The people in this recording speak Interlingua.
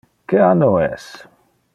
Que anno es?